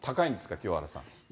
清原さん。